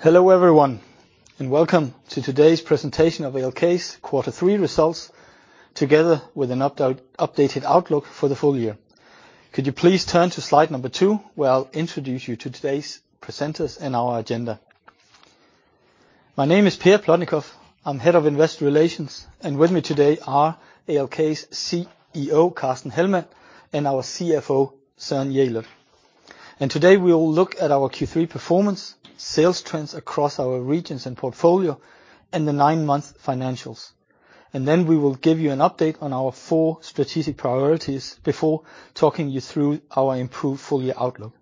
Hello, everyone, and welcome to today's presentation of ALK's Quarter Three results together with an updated outlook for the full year. Could you please turn to slide number two, where I'll introduce you to today's presenters and our agenda. My name is Per Plotnikof. I'm Head of Investor Relations, and with me today are ALK's CEO, Carsten Hellmann, and our CFO, Søren Jelert. Today, we will look at our Q3 performance, sales trends across our regions and portfolio, and the nine-month financials. We will give you an update on our four strategic priorities before talking you through our improved full-year outlook.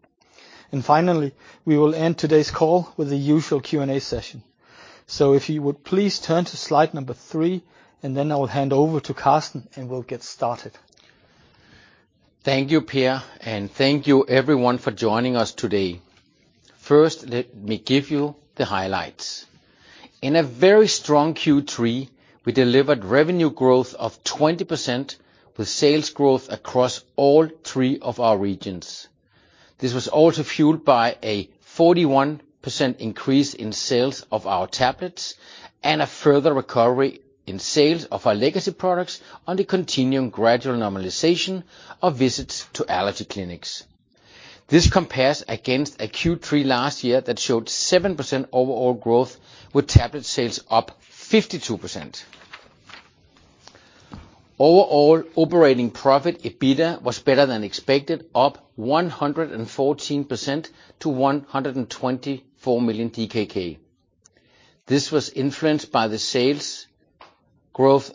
Finally, we will end today's call with the usual Q&A session. If you would please turn to slide number three, and then I will hand over to Carsten, and we'll get started. Thank you, Per, and thank you everyone for joining us today. First, let me give you the highlights. In a very strong Q3, we delivered revenue growth of 20% with sales growth across all three of our regions. This was also fueled by a 41% increase in sales of our tablets and a further recovery in sales of our legacy products on the continuing gradual normalization of visits to allergy clinics. This compares against a Q3 last year that showed 7% overall growth with tablet sales up 52%. Overall operating profit, EBITDA, was better than expected, up 114% to 124 million. This was influenced by the sales growth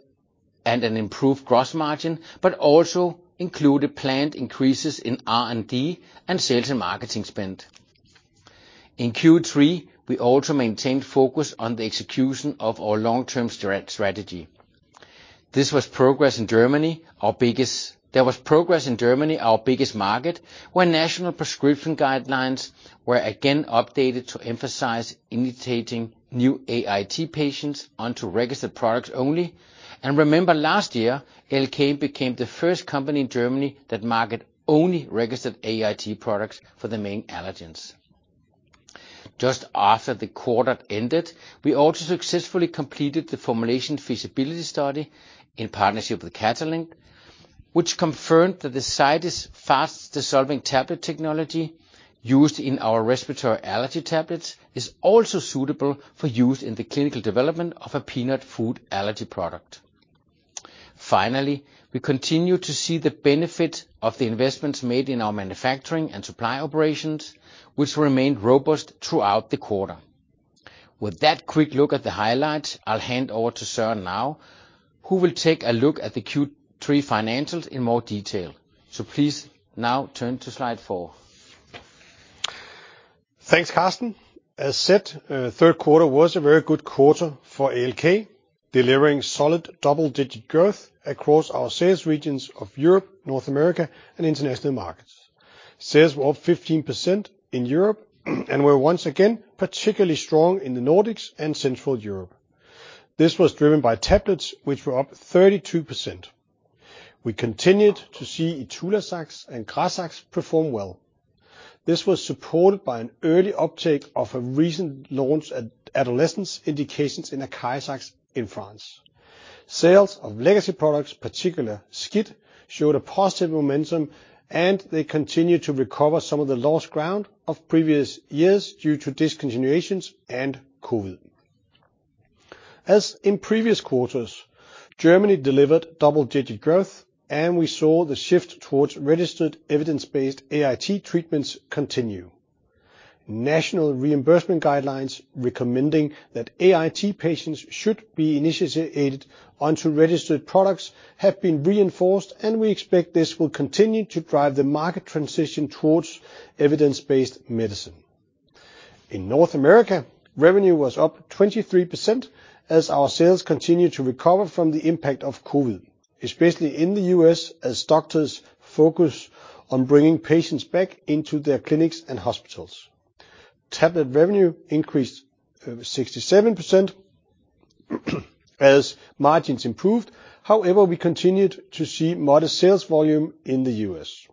and an improved gross margin, but also included planned increases in R&D and sales and marketing spend. In Q3, we also maintained focus on the execution of our long-term strategy. There was progress in Germany, our biggest market, where national prescription guidelines were again updated to emphasize initiating new AIT patients onto registered products only. Remember last year, ALK became the first company in Germany that markets only registered AIT products for the main allergens. Just after the quarter ended, we also successfully completed the formulation feasibility study in partnership with Catalent, which confirmed that the Zydis fast-dissolving tablet technology used in our respiratory allergy tablets is also suitable for use in the clinical development of a peanut food allergy product. Finally, we continue to see the benefit of the investments made in our manufacturing and supply operations, which remained robust throughout the quarter. With that quick look at the highlights, I'll hand over to Søren now, who will take a look at the Q3 financials in more detail. Please now turn to slide four. Thanks, Carsten. As said, third quarter was a very good quarter for ALK, delivering solid double-digit growth across our sales regions of Europe, North America, and international markets. Sales were up 15% in Europe and were once again particularly strong in the Nordics and Central Europe. This was driven by tablets, which were up 32%. We continued to see Itulazax and Grazax perform well. This was supported by an early uptake of a recent launch of adolescent indications in the Grazax in France. Sales of legacy products, particularly SCIT, showed a positive momentum, and they continued to recover some of the lost ground of previous years due to discontinuations and COVID. As in previous quarters, Germany delivered double-digit growth, and we saw the shift towards registered evidence-based AIT treatments continue. National reimbursement guidelines recommending that AIT patients should be initiated onto registered products have been reinforced, and we expect this will continue to drive the market transition towards evidence-based medicine. In North America, revenue was up 23% as our sales continued to recover from the impact of COVID, especially in the U.S. as doctors focus on bringing patients back into their clinics and hospitals. Tablet revenue increased 67% as margins improved. However, we continued to see modest sales volume in the U.S.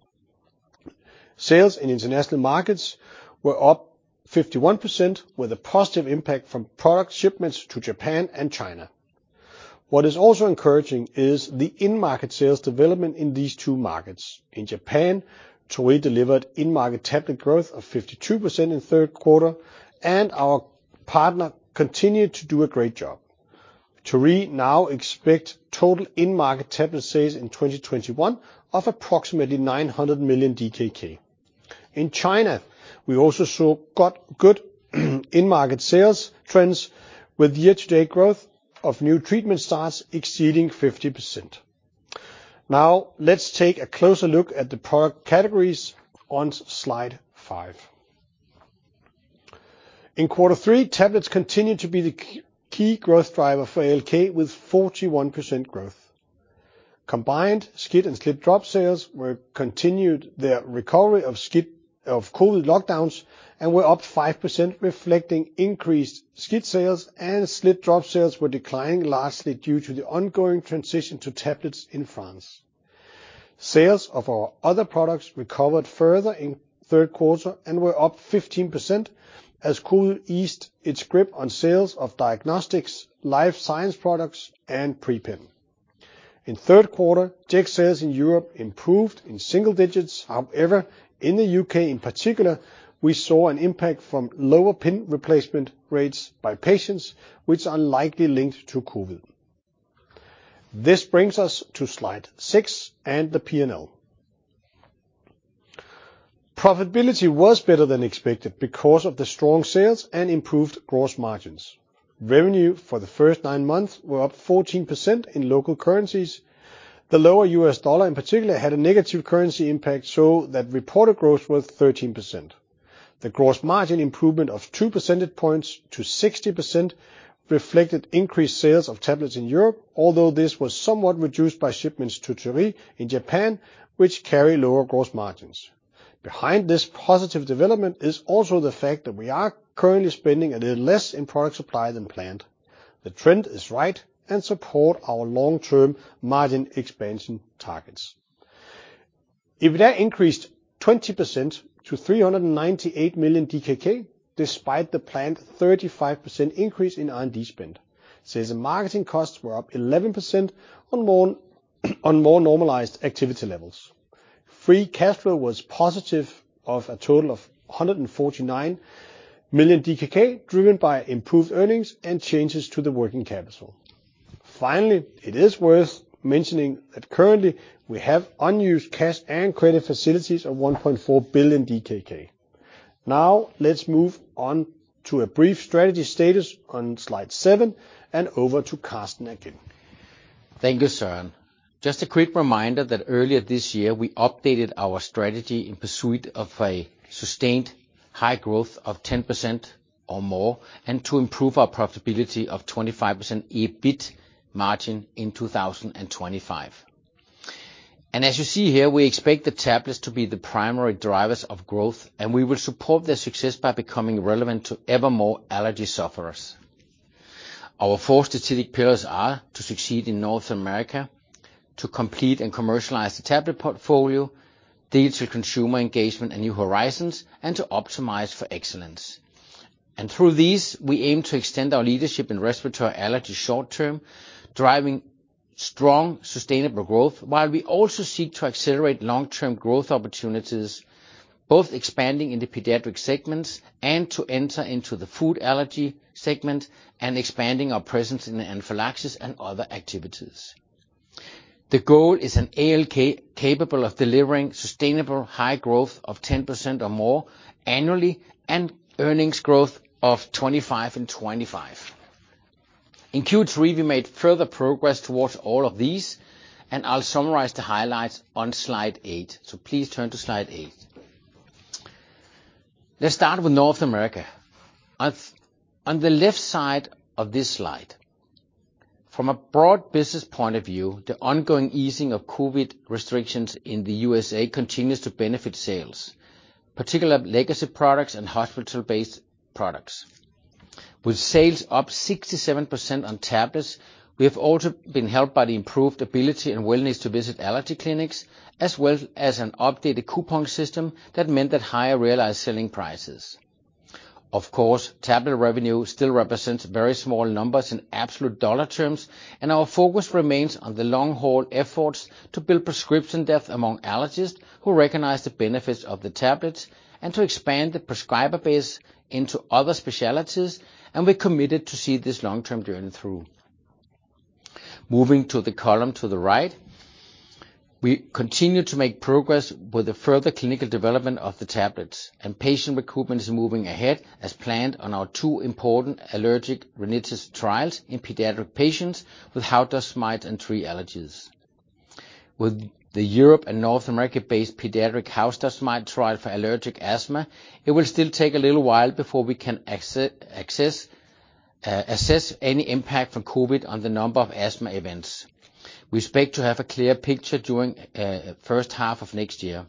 Sales in international markets were up 51% with a positive impact from product shipments to Japan and China. What is also encouraging is the in-market sales development in these two markets. In Japan, Torii delivered in-market tablet growth of 52% in third quarter, and our partner continued to do a great job. Torii now expects total in-market tablet sales in 2021 of approximately 900 million DKK. In China, we also saw good in-market sales trends with year-to-date growth of new treatment starts exceeding 50%. Now, let's take a closer look at the product categories on slide five. In quarter three, tablets continued to be the key growth driver for ALK with 41% growth. Combined, SCIT and SLIT-drops sales continued their recovery from COVID lockdowns and were up 5%, reflecting increased SCIT sales and SLIT-drops sales were declining slightly due to the ongoing transition to tablets in France. Sales of our other products recovered further in third quarter and were up 15% as COVID eased its grip on sales of diagnostics, life science products, and EpiPen. In third quarter, Jext sales in Europe improved in single digits. However, in the U.K. in particular, we saw an impact from lower pen replacement rates by patients, which are likely linked to COVID. This brings us to slide six and the P&L. Profitability was better than expected because of the strong sales and improved gross margins. Revenue for the first nine months were up 14% in local currencies. The lower U.S. dollar in particular had a negative currency impact, so that reported growth was 13%. The gross margin improvement of two percentage points to 60% reflected increased sales of tablets in Europe, although this was somewhat reduced by shipments to Japan, which carry lower gross margins. Behind this positive development is also the fact that we are currently spending a little less in product supply than planned. The trend is right and support our long-term margin expansion targets. EBITDA increased 20% to 398 million DKK, despite the planned 35% increase in R&D spend. Sales and marketing costs were up 11% on more normalized activity levels. Free cash flow was positive of a total of 149 million DKK, driven by improved earnings and changes to the working capital. Finally, it is worth mentioning that currently we have unused cash and credit facilities of 1.4 billion DKK. Now let's move on to a brief strategy status on slide seven and over to Carsten again. Thank you, Søren. Just a quick reminder that earlier this year we updated our strategy in pursuit of a sustained high growth of 10% or more, and to improve our profitability of 25% EBIT margin in 2025. As you see here, we expect the tablets to be the primary drivers of growth, and we will support their success by becoming relevant to ever more allergy sufferers. Our four strategic pillars are to succeed in North America, to complete and commercialize the tablet portfolio, digital consumer engagement and new horizons, and to optimize for excellence. Through these, we aim to extend our leadership in respiratory allergy short term, driving strong, sustainable growth, while we also seek to accelerate long-term growth opportunities, both expanding into pediatric segments and to enter into the food allergy segment and expanding our presence in anaphylaxis and other activities. The goal is an ALK capable of delivering sustainable high growth of 10% or more annually and earnings growth of 25% and 25%. In Q3, we made further progress towards all of these, and I'll summarize the highlights on slide eight. Please turn to slide eight. Let's start with North America. On the left side of this slide, from a broad business point of view, the ongoing easing of COVID restrictions in the U.S. continues to benefit sales, particularly legacy products and hospital-based products. With sales up 67% on tablets, we have also been helped by the improved ability and willingness to visit allergy clinics, as well as an updated coupon system that meant that higher realized selling prices. Of course, tablet revenue still represents very small numbers in absolute dollar terms, and our focus remains on the long-haul efforts to build prescription depth among allergists who recognize the benefits of the tablets and to expand the prescriber base into other specialties, and we're committed to see this long-term journey through. Moving to the column to the right, we continue to make progress with the further clinical development of the tablets, and patient recruitment is moving ahead as planned on our two important allergic rhinitis trials in pediatric patients with house dust mite and tree allergies. With the Europe and North America-based pediatric house dust mite trial for allergic asthma, it will still take a little while before we can assess any impact from COVID on the number of asthma events. We expect to have a clear picture during H1 of next year.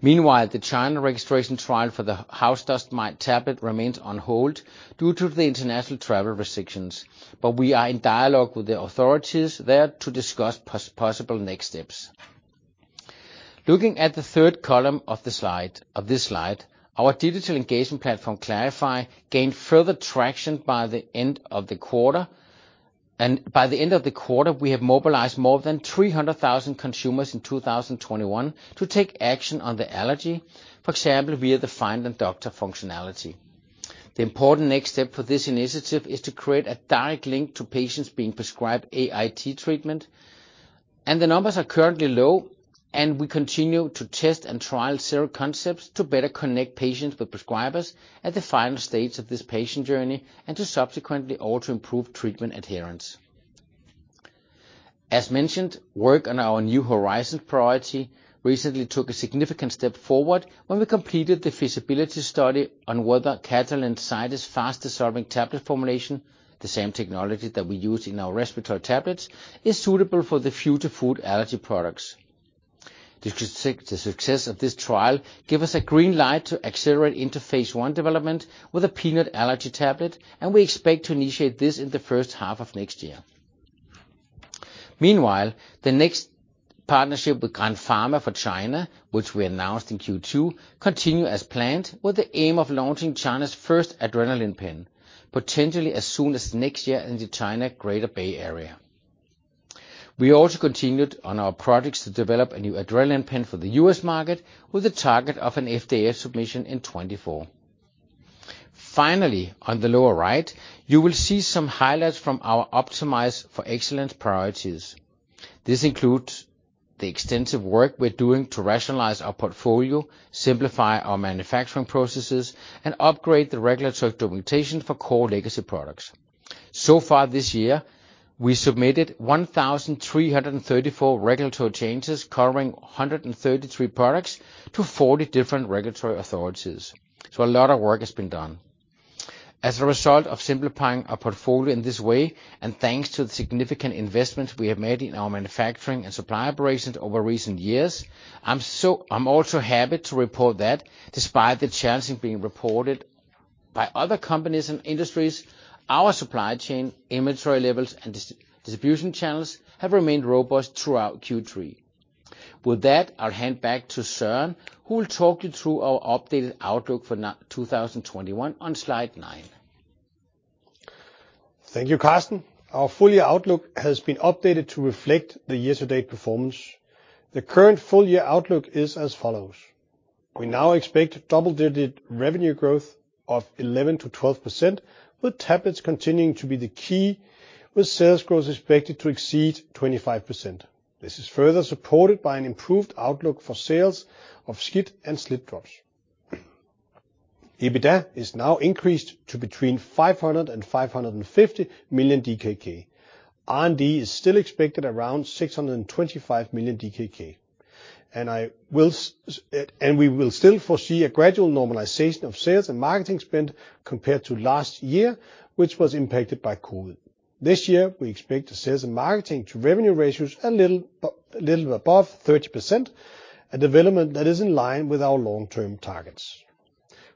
Meanwhile, the China registration trial for the house dust mite tablet remains on hold due to the international travel restrictions, but we are in dialogue with the authorities there to discuss possible next steps. Looking at the third column of the slide, of this slide, our digital engagement platform, klarify, gained further traction by the end of the quarter. By the end of the quarter, we have mobilized more than 300,000 consumers in 2021 to take action on the allergy. For example, we have the find a doctor functionality. The important next step for this initiative is to create a direct link to patients being prescribed AIT treatment. The numbers are currently low, and we continue to test and trial several concepts to better connect patients with prescribers at the final stage of this patient journey, and to subsequently also improve treatment adherence. As mentioned, work on our new horizons priority recently took a significant step forward when we completed the feasibility study on whether Catalent Zydis fast-dissolving tablet formulation, the same technology that we use in our respiratory tablets, is suitable for the future food allergy products. The success of this trial give us a green light to accelerate into phase I development with a peanut allergy tablet, and we expect to initiate this in the H1 of next year. Meanwhile, the next partnership with Grandpharma for China, which we announced in Q2, continue as planned with the aim of launching China's first adrenaline pen, potentially as soon as next year in the Greater Bay Area. We also continued on our projects to develop a new adrenaline pen for the U.S. market with the target of an FDA submission in 2024. Finally, on the lower right, you will see some highlights from our Optimize for Excellence priorities. This includes the extensive work we're doing to rationalize our portfolio, simplify our manufacturing processes, and upgrade the regulatory documentation for core legacy products. So far this year, we submitted 1,034 regulatory changes covering 133 products to 40 different regulatory authorities. A lot of work has been done. As a result of simplifying our portfolio in this way, and thanks to the significant investments we have made in our manufacturing and supply operations over recent years, I'm also happy to report that despite the challenges being reported by other companies and industries, our supply chain, inventory levels, and distribution channels have remained robust throughout Q3. With that, I'll hand back to Søren, who will talk you through our updated outlook for 2021 on slide nine. Thank you, Carsten. Our full year outlook has been updated to reflect the year-to-date performance. The current full year outlook is as follows: we now expect double-digit revenue growth of 11%-12%, with tablets continuing to be the key, with sales growth expected to exceed 25%. This is further supported by an improved outlook for sales of SCIT and SLIT-drops. EBITDA is now increased to between 500 and 550 million DKK. R&D is still expected around 625 million DKK. We will still foresee a gradual normalization of sales and marketing spend compared to last year, which was impacted by COVID. This year, we expect the sales and marketing to revenue ratios a little above 30%, a development that is in line with our long-term targets.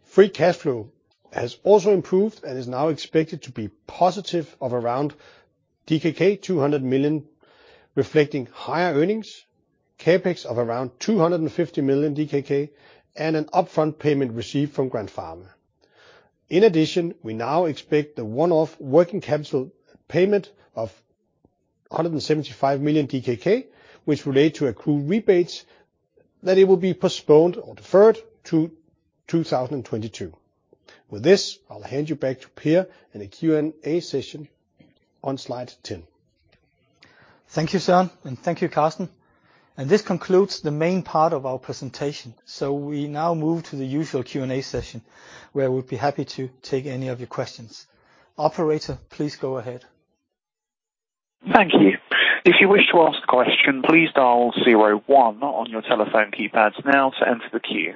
Free cash flow has also improved and is now expected to be positive of around DKK 200 million, reflecting higher earnings, CapEx of around 250 million DKK, and an upfront payment received from Grandpharma. In addition, we now expect the one-off working capital payment of 175 million DKK, which relate to accrued rebates, that it will be postponed or deferred to 2022. With this, I'll hand you back to Per in the Q&A session on slide 10. Thank you, Søren, and thank you, Carsten. This concludes the main part of our presentation. We now move to the usual Q&A session, where we'll be happy to take any of your questions. Operator, please go ahead. Thank you. If you wish to ask a question, please dial zero one on your telephone keypads now to enter the queue.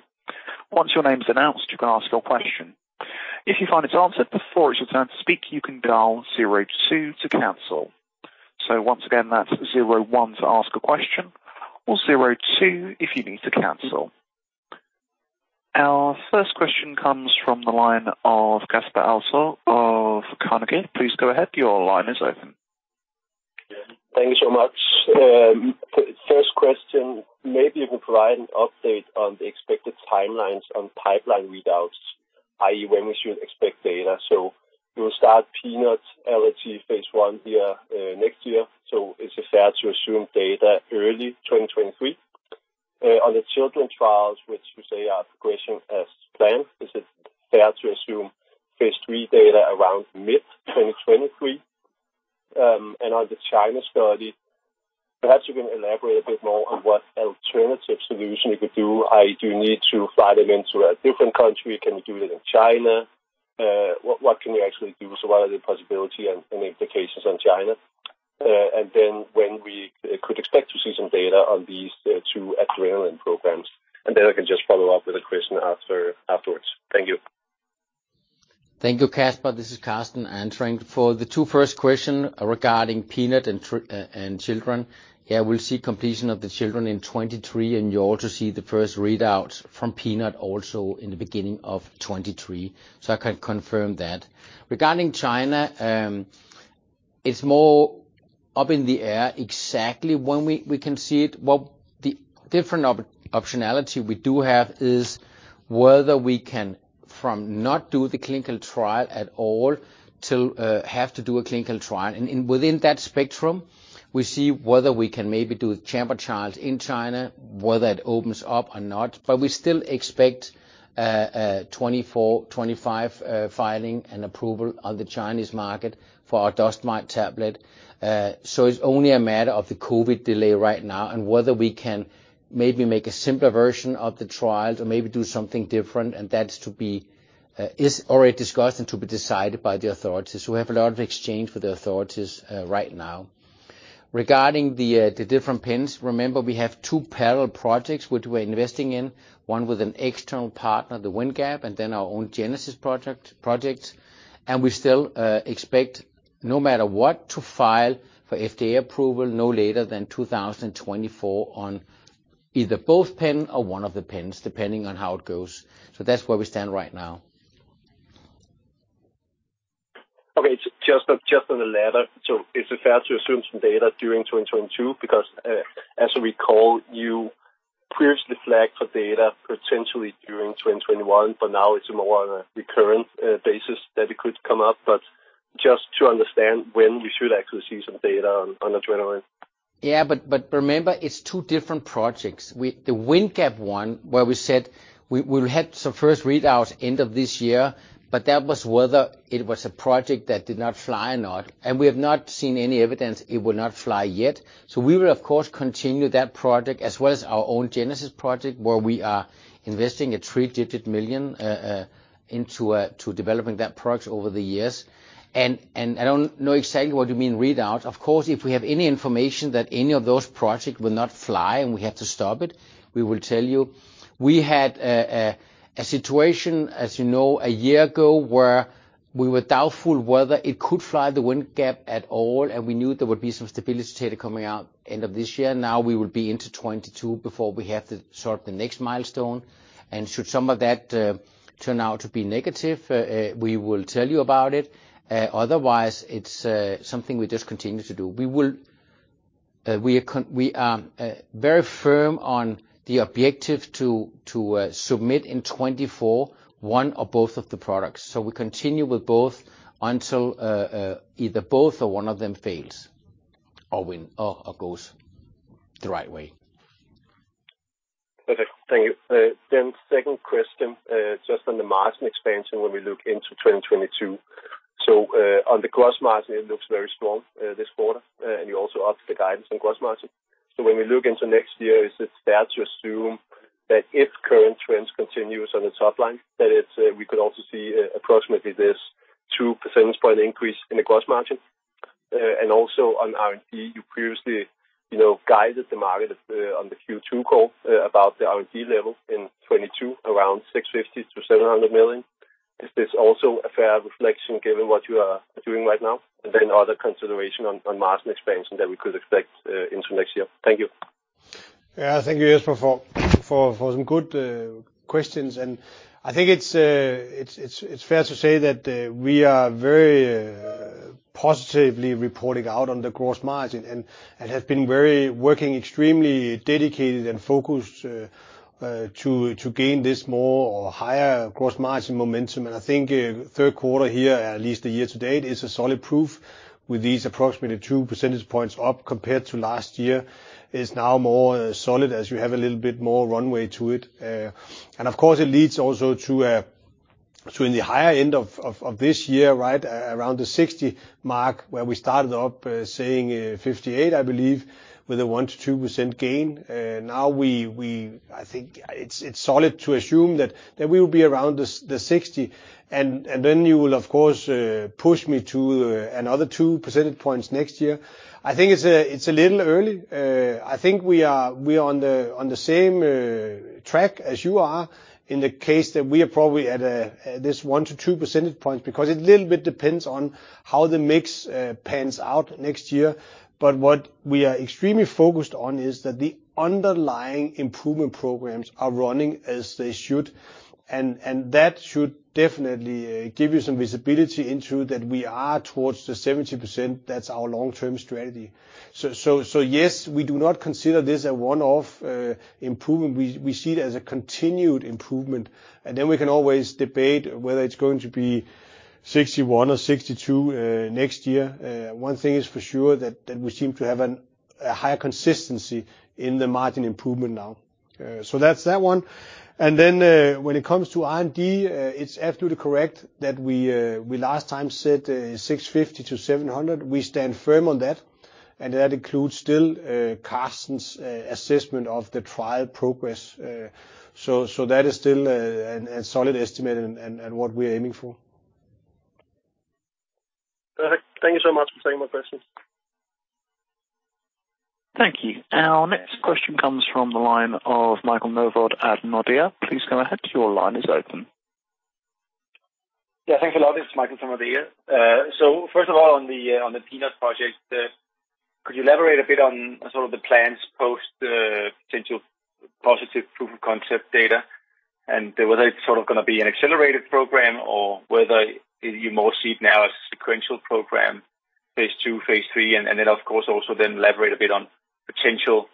Once your name's announced, you can ask your question. If you find it's answered before it's your turn to speak, you can dial zero two to cancel. Once again, that's zero one to ask a question or zero two if you need to cancel. Our first question comes from the line of Jesper Ilsøe of Carnegie. Please go ahead. Your line is open. Thank you so much. First question, maybe you can provide an update on the expected timelines on pipeline readouts, i.e., when we should expect data. You'll start peanut allergy phase I here next year. Is it fair to assume data early 2023? On the children trials, which you say are progressing as planned, is it fair to assume phase III data around mid 2023? On the China study, perhaps you can elaborate a bit more on what alternative solution you could do. I do need to file it into a different country. Can we do it in China? What can we actually do? What are the possibility and implications on China? When could we expect to see some data on these two adrenaline programs. I can just follow up with a question afterwards. Thank you. Thank you, Jesper. This is Carsten answering. For the two first questions regarding peanut and children. Yeah, we'll see completion of the children in 2023, and you ought to see the first readout from peanut also in the beginning of 2023. I can confirm that. Regarding China, it's more up in the air exactly when we can see it. Well, the different optionality we do have is whether we can from not do the clinical trial at all to have to do a clinical trial. Within that spectrum, we see whether we can maybe do a Chamber trial in China, whether it opens up or not. We still expect a 2024-2025 filing and approval on the Chinese market for our dust mite tablet. It's only a matter of the COVID delay right now and whether we can maybe make a simpler version of the trial to maybe do something different, and that's already discussed and to be decided by the authorities. We have a lot of exchange with the authorities right now. Regarding the different pens, remember we have two parallel projects which we're investing in, one with an external partner, the Windgap, and then our own Genesis project. We still expect no matter what to file for FDA approval no later than 2024 on either both pen or one of the pens, depending on how it goes. That's where we stand right now. Okay. Just on the latter. Is it fair to assume some data during 2022? Because, as I recall, you previously flagged for data potentially during 2021, but now it's more on a recurrent basis that it could come up. Just to understand when we should actually see some data on adrenaline. Yeah, but remember, it's two different projects. The Windgap one, where we said we will have some first readouts end of this year, but that was whether it was a project that did not fly or not, and we have not seen any evidence it will not fly yet. We will of course continue that project as well as our own Genesis project, where we are investing a three-digit million DKK into developing that product over the years. I don't know exactly what you mean by readout. Of course, if we have any information that any of those projects will not fly, and we have to stop it, we will tell you. We had a situation, as you know, a year ago, where we were doubtful whether it could fly the Windgap at all, and we knew there would be some stability data coming out end of this year. Now we will be into 2022 before we have to sort the next milestone. Should some of that turn out to be negative, we will tell you about it. Otherwise it's something we just continue to do. We are very firm on the objective to submit in 2024 one or both of the products. We continue with both until either both or one of them fails or win or goes the right way. Perfect. Thank you. Second question, just on the margin expansion when we look into 2022. On the gross margin, it looks very strong this quarter. You also upped the guidance on gross margin. When we look into next year, is it fair to assume that if current trends continue on the top line, that we could also see approximately this two percentage point increase in the gross margin? Also on R&D, you previously, you know, guided the market on the Q2 call about the R&D level in 2022, around 650 million-700 million. Is this also a fair reflection given what you are doing right now? Other consideration on margin expansion that we could expect into next year. Thank you. Yeah. Thank you, Jesper, for some good questions. I think it's fair to say that we are very positively reporting out on the gross margin and have been very working extremely dedicated and focused to gain this more or higher gross margin momentum. I think third quarter here, at least the year to date, is a solid proof with these approximately two percentage points up compared to last year. It is now more solid as you have a little bit more runway to it. Of course it leads also to, in the higher end of this year, right around the 60 mark where we started up saying 58, I believe, with a 1%-2% gain. Now, I think it's safe to assume that we will be around the 60%. Then you will of course push me to another two percentage points next year. I think it's a little early. I think we are on the same track as you are in that case we are probably at this one to two percentage points because it a little bit depends on how the mix pans out next year. What we are extremely focused on is that the underlying improvement programs are running as they should. That should definitely give you some visibility into the fact that we are towards the 70%, that's our long-term strategy. Yes, we do not consider this a one-off improvement. We see it as a continued improvement, and then we can always debate whether it's going to be 61% or 62% next year. One thing is for sure that we seem to have a higher consistency in the margin improvement now. That's that one. When it comes to R&D, it's absolutely correct that we last time said 650-700. We stand firm on that. That includes still Carsten's assessment of the trial progress. That is still a solid estimate and what we are aiming for. Perfect. Thank you so much for taking my questions. Thank you. Our next question comes from the line of Michael Novod at Nordea. Please go ahead. Your line is open. Yeah, thanks a lot. It's Michael from Nordea. First of all, on the Peanut project, could you elaborate a bit on sort of the plans post potential positive proof of concept data? And whether it's sort of gonna be an accelerated program or whether you more see it now as a sequential program, phase II, phase III, and then of course elaborate a bit on potential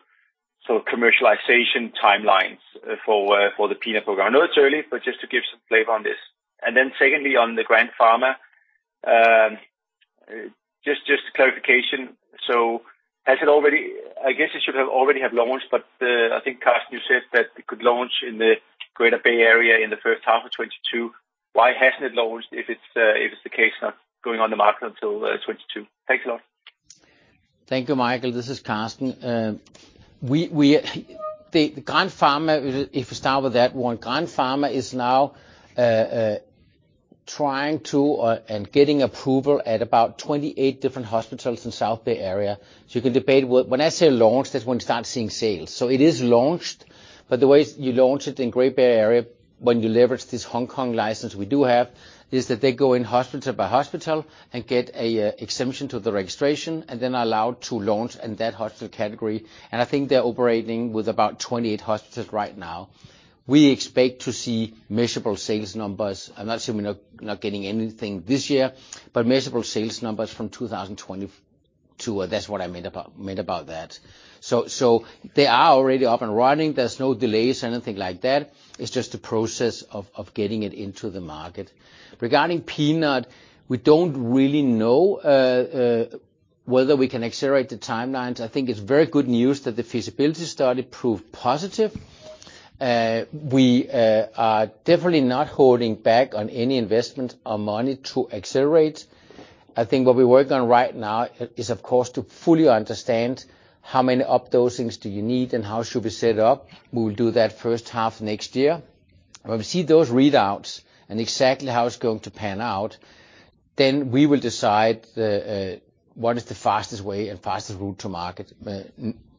sort of commercialization timelines for the Peanut program. I know it's early, but just to give some flavor on this. And then secondly, on the Grandpharma, just clarification. So has it already. I guess it should have already launched, but I think, Carsten, you said that it could launch in the Greater Bay Area in the H1 of 2022. Why hasn't it launched if it's the case not going on the market until 2022? Thanks a lot. Thank you, Michael. This is Carsten. Grandpharma, if we start with that one. Grandpharma is now trying to get approval at about 28 different hospitals in Greater Bay Area. You can debate what when I say launched, that's when you start seeing sales. It is launched, but the way you launch it in Greater Bay Area, when you leverage this Hong Kong license we do have, is that they go in hospital by hospital and get a exemption to the registration, and then are allowed to launch in that hospital category. I think they're operating with about 28 hospitals right now. We expect to see measurable sales numbers. I'm not saying we're not getting anything this year, but measurable sales numbers from 2022, that's what I meant about that. They are already up and running. There's no delays, anything like that. It's just a process of getting it into the market. Regarding peanut, we don't really know whether we can accelerate the timelines. I think it's very good news that the feasibility study proved positive. We are definitely not holding back on any investment or money to accelerate. I think what we work on right now is, of course, to fully understand how many updosings do you need, and how should we set up. We will do that H1 next year. When we see those readouts and exactly how it's going to pan out, then we will decide what is the fastest way and fastest route to market,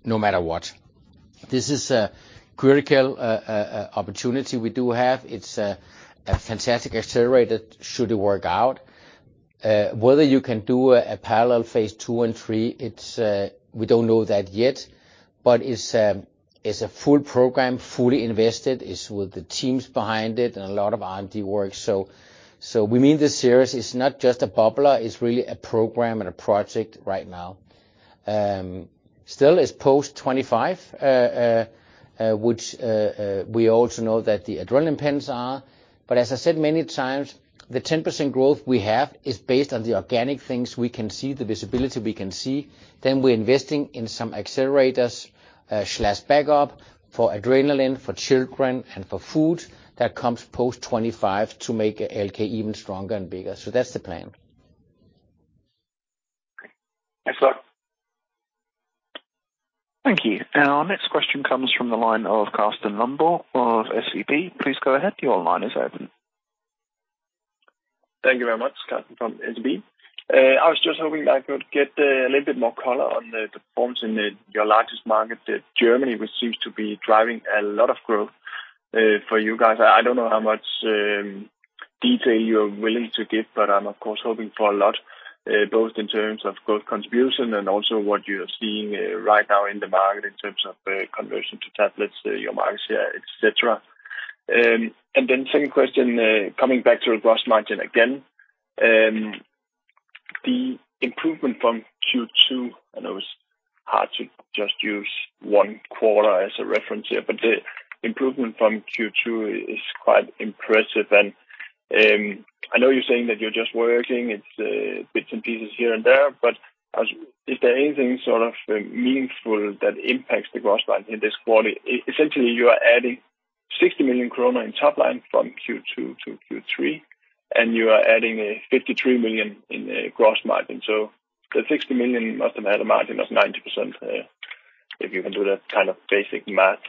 no matter what. This is a critical opportunity we do have. It's a fantastic accelerator, should it work out. Whether you can do a parallel phase II and III, we don't know that yet, but it's a full program, fully invested. It's with the teams behind it and a lot of R&D work. We mean this seriously. It's not just a popular, it's really a program and a project right now. Still, it's post-25, which we also know that the adrenaline pens are. As I said many times, the 10% growth we have is based on the organic things we can see, the visibility we can see. We're investing in some accelerators slash backup for adrenaline, for children, and for food that comes post-25 to make ALK even stronger and bigger. That's the plan. Thanks a lot. Thank you. Our next question comes from the line of Carsten Lundborg of SEB. Please go ahead. Your line is open. Thank you very much. Carsten from SEB. I was just hoping I could get a little bit more color on the pharma in your largest market, Germany, which seems to be driving a lot of growth for you guys. I don't know how much detail you're willing to give, but I'm of course hoping for a lot, both in terms of growth contribution and also what you're seeing right now in the market in terms of conversion to tablets, your market share, et cetera. Second question, coming back to the gross margin again. The improvement from Q2, I know it's hard to just use one quarter as a reference here, but the improvement from Q2 is quite impressive. I know you're saying that you're just working, it's bits and pieces here and there, but is there anything sort of meaningful that impacts the gross margin in this quarter? Essentially, you are adding 60 million kroner in top line from Q2 to Q3, and you are adding 53 million in gross margin. The 60 million must have had a margin of 90%, if you can do that kind of basic math.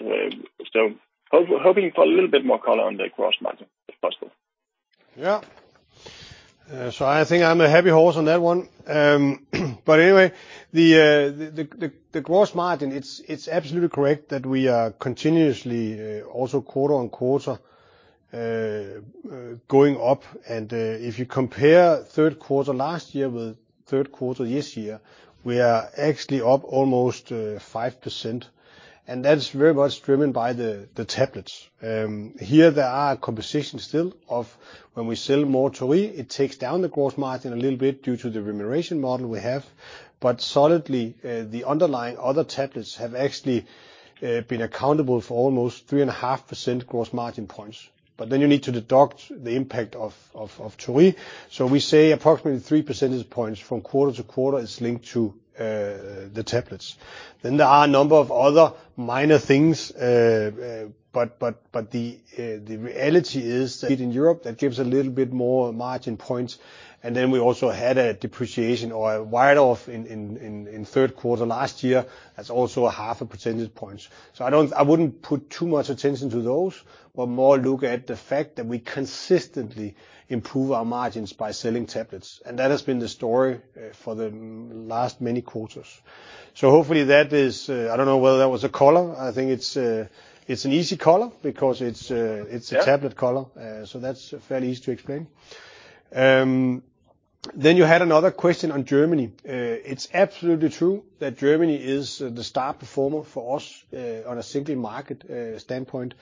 Hoping for a little bit more color on the gross margin, if possible. Yeah. I think I'm a happy horse on that one. But anyway, the gross margin, it's absolutely correct that we are continuously also quarter-on-quarter going up. If you compare third quarter last year with third quarter this year, we are actually up almost 5%, and that's very much driven by the tablets. Here there are conversations still of when we sell more Torii, it takes down the gross margin a little bit due to the remuneration model we have. But solidly, the underlying other tablets have actually been accountable for almost 3.5% gross margin points. But then you need to deduct the impact of Torii. We say approximately three percentage points from quarter to quarter is linked to the tablets. There are a number of other minor things, but the reality is that in Europe, that gives a little bit more margin points. We also had a depreciation or a write-off in third quarter last year. That's also half a percentage point. I wouldn't put too much attention to those, but more look at the fact that we consistently improve our margins by selling tablets. That has been the story for the last many quarters. Hopefully that is. I don't know whether that was a color. I think it's an easy color because it's a Yeah. Tablet color, so that's fairly easy to explain. Then you had another question on Germany. It's absolutely true that Germany is the star performer for us on a single-market standpoint.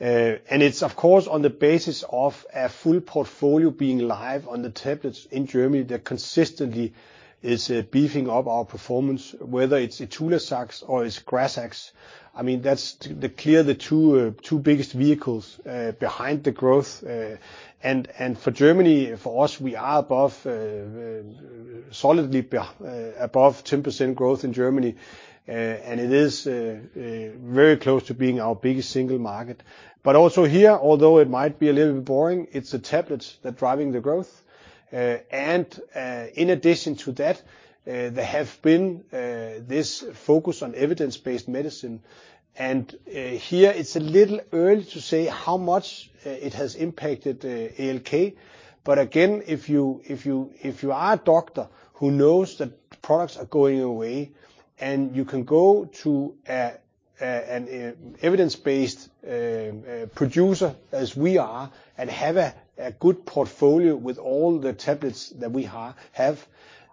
It's of course on the basis of a full portfolio being live on the tablets in Germany that consistently is beefing up our performance, whether it's Itulazax or it's Grazax. I mean, that's clearly the two biggest vehicles behind the growth. For Germany, for us, we are solidly above 10% growth in Germany. It is very close to being our biggest single market. Also here, although it might be a little bit boring, it's the tablets that are driving the growth. In addition to that, there have been this focus on evidence-based medicine. Here it's a little early to say how much it has impacted ALK. Again, if you are a doctor who knows that products are going away and you can go to an evidence-based producer as we are and have a good portfolio with all the tablets that we have,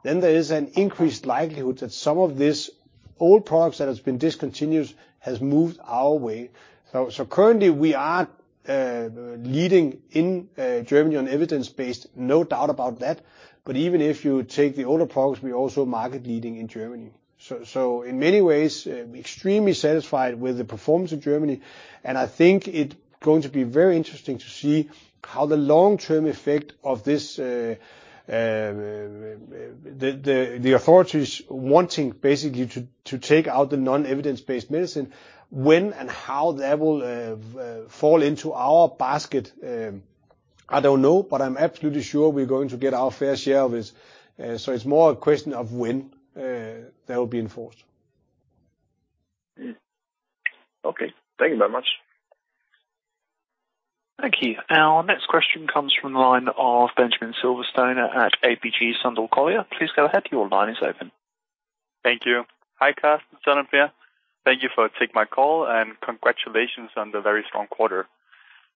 then there is an increased likelihood that some of these old products that has been discontinued has moved our way. Currently we are leading in Germany on evidence-based, no doubt about that. Even if you take the older products, we're also market leading in Germany. In many ways, extremely satisfied with the performance of Germany. I think it's going to be very interesting to see how the long-term effect of this, the authorities wanting basically to take out the non-evidence-based medicine, when and how that will fall into our basket. I don't know, but I'm absolutely sure we're going to get our fair share of it. It's more a question of when that will be enforced. Okay. Thank you very much. Thank you. Our next question comes from the line of Benjamin Silverstone at ABG Sundal Collier. Please go ahead. Your line is open. Thank you. Hi, Carsten. Benjamin here. Thank you for taking my call and congratulations on the very strong quarter.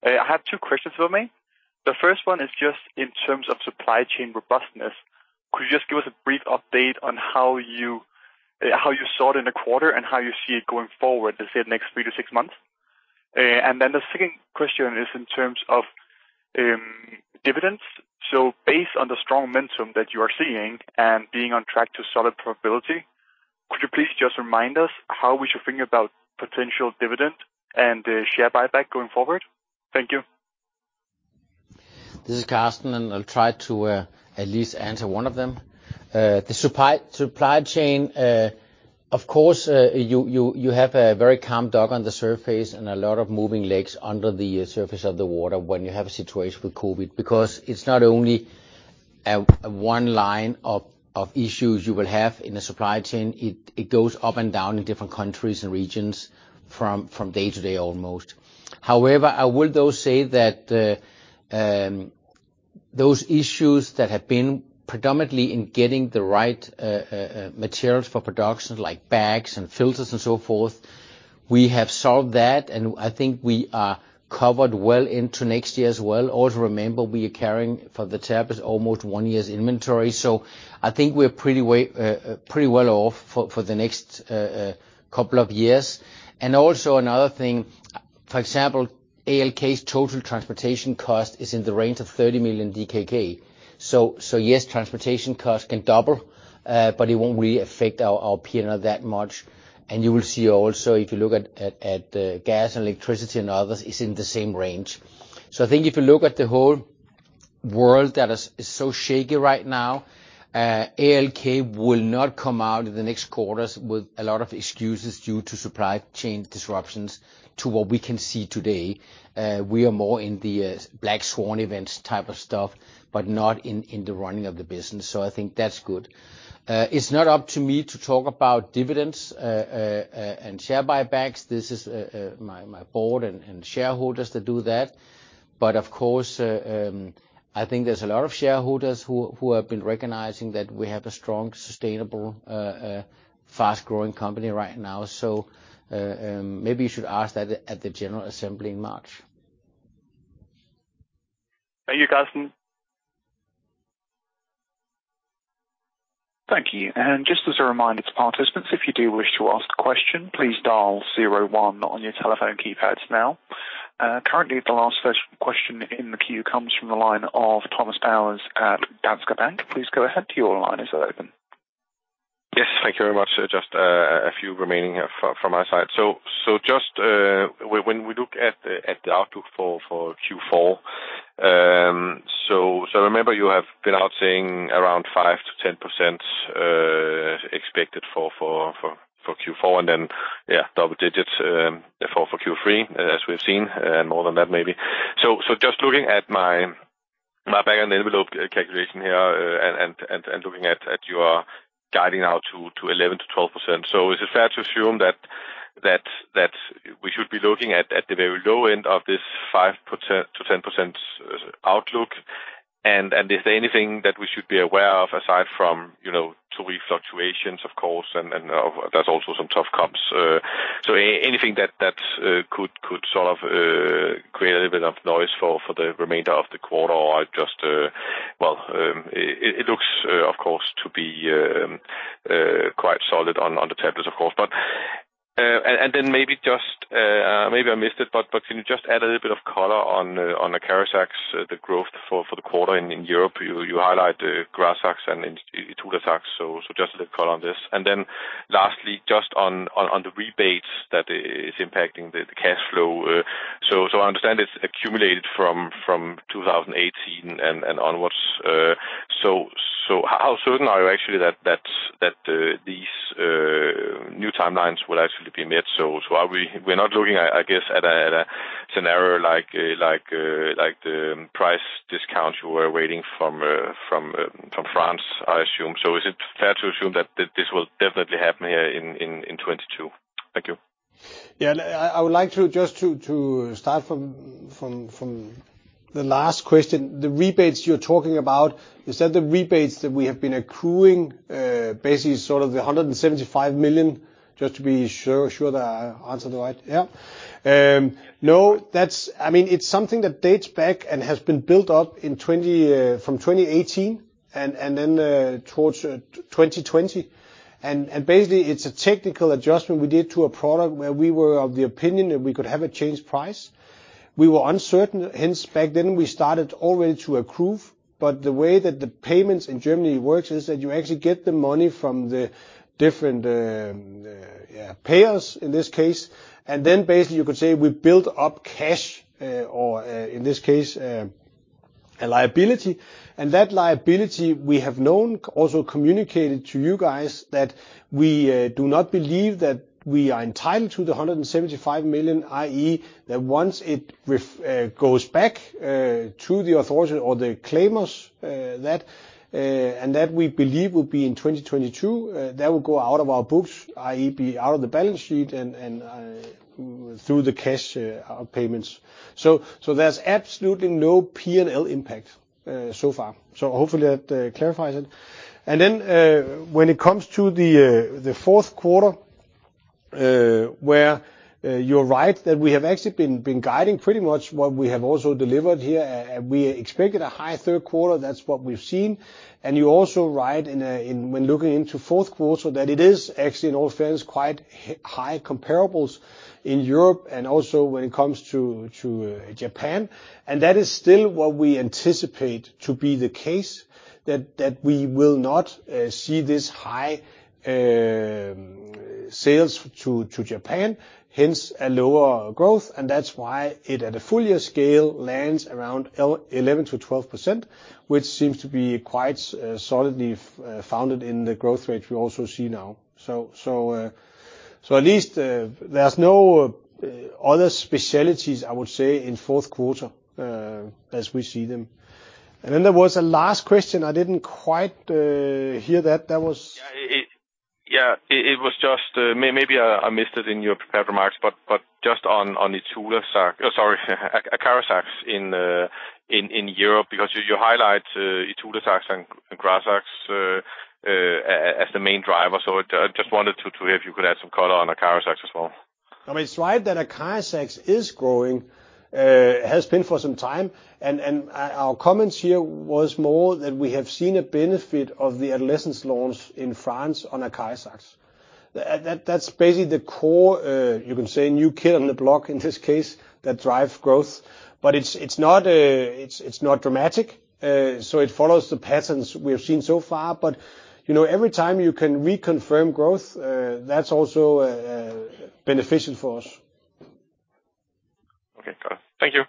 I have two questions from me. The first one is just in terms of supply chain robustness. Could you just give us a brief update on how you saw it in the quarter and how you see it going forward, let's say the next three to six months? And then the second question is in terms of dividends. So based on the strong momentum that you are seeing and being on track to solid profitability, could you please just remind us how we should think about potential dividend and share buyback going forward? Thank you. This is Carsten. I'll try to at least answer one of them. The supply chain, of course, you have a very calm duck on the surface and a lot of moving legs under the surface of the water when you have a situation with COVID because it's not only one line of issues you will have in the supply chain. It goes up and down in different countries and regions from day to day almost. However, I will though say that those issues that have been predominantly in getting the right materials for production, like bags and filters and so forth, we have solved that, and I think we are covered well into next year as well. Also remember, we are carrying for the tablets almost one year's inventory. I think we're pretty well off for the next couple of years. Also another thing, for example, ALK's total transportation cost is in the range of 30 million DKK. Yes, transportation costs can double, but it won't really affect our P&L that much. You will see also, if you look at gas and electricity and others, it's in the same range. I think if you look at the whole world that is so shaky right now, ALK will not come out in the next quarters with a lot of excuses due to supply chain disruptions to what we can see today. We are more in the black swan events type of stuff, but not in the running of the business. I think that's good. It's not up to me to talk about dividends and share buybacks. This is my board and shareholders that do that. Of course, I think there's a lot of shareholders who have been recognizing that we have a strong, sustainable fast-growing company right now. Maybe you should ask that at the general assembly in March. Thank you, Carsten. Thank you. Just as a reminder to participants, if you do wish to ask a question, please dial zero one on your telephone keypads now. Currently, the last question in the queue comes from the line of Thomas Powers at Danske Bank. Please go ahead. Your line is open. Yes. Thank you very much. Just a few remaining here from my side. Just when we look at the outlook for Q4, remember you have been out saying around 5%-10% expected for Q4 and then double digits for Q3 as we've seen, and more than that maybe. Just looking at my back-of-the-envelope calculation here, and looking at your guidance out to 11%-12%. Is it fair to assume that we should be looking at the very low end of this 5%-10% outlook? Is there anything that we should be aware of aside from, you know, currency fluctuations of course, and there's also some tough comps. Anything that could sort of create a little bit of noise for the remainder of the quarter or just, well, it looks of course to be quite solid on the tablets of course. Then maybe I missed it, but can you just add a little bit of color on the Acarizax, the growth for the quarter in Europe? You highlight the Grazax and Itulazax, so just a little color on this. Lastly, just on the rebates that is impacting the cash flow. I understand it's accumulated from 2018 and onwards. How certain are you actually that these new timelines will actually be met? We're not looking at, I guess, a scenario like the price discounts you were waiting for from France, I assume. Is it fair to assume that this will definitely happen here in 2022? Thank you. Yeah. I would like to just start from the last question. The rebates you're talking about, is that the rebates that we have been accruing, basically sort of 175 million, just to be sure that I answer the right? Yeah. No, that's. I mean, it's something that dates back and has been built up from 2018 and then towards 2020. Basically, it's a technical adjustment we did to a product where we were of the opinion that we could have a changed price. We were uncertain, hence back then we started already to accrue. The way that the payments in Germany works is that you actually get the money from the different payers in this case, and then basically you could say we built up cash or, in this case, a liability. That liability we have known, also communicated to you guys that we do not believe that we are entitled to the 175 million, i.e. that once it goes back to the authority or they claim us, that. And that we believe will be in 2022. That will go out of our books, i.e. be out of the balance sheet and through the cash payments. There's absolutely no P&L impact so far. Hopefully that clarifies it. When it comes to the fourth quarter, where you're right that we have actually been guiding pretty much what we have also delivered here. We expected a high third quarter, that's what we've seen. You're also right when looking into fourth quarter, that it is actually in all fairness quite high comparables in Europe and also when it comes to Japan. That is still what we anticipate to be the case, that we will not see this high sales to Japan, hence a lower growth. That's why it at a full year scale lands around 11%-12%, which seems to be quite solidly founded in the growth rate we also see now. At least, there's no other specialties, I would say, in fourth quarter, as we see them. Then there was a last question I didn't quite hear that. That was- Yeah, it was just maybe I missed it in your prepared remarks, but just on Itulazax, sorry, Acarizax in Europe, because you highlight Itulazax and Grazax as the main driver. I just wanted to hear if you could add some color on Acarizax as well. I mean, it's right that Acarizax is growing, has been for some time. Our comments here was more that we have seen a benefit of the adolescent launch in France on Acarizax. That's basically the core, you can say, new kid on the block in this case that drives growth. It's not dramatic. It follows the patterns we have seen so far. You know, every time you can reconfirm growth, that's also beneficial for us. Okay. Got it. Thank you.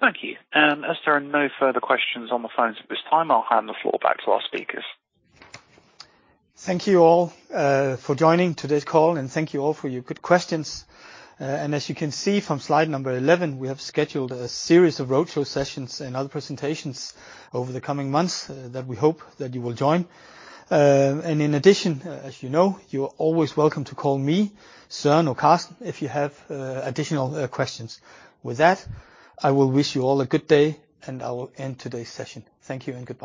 Thank you. As there are no further questions on the phones at this time, I'll hand the floor back to our speakers. Thank you all for joining today's call and thank you all for your good questions. As you can see from slide number 11, we have scheduled a series of roadshow sessions and other presentations over the coming months that we hope that you will join. As you know, you're always welcome to call me, Søren or Carsten if you have additional questions. With that, I will wish you all a good day, and I will end today's session. Thank you and goodbye.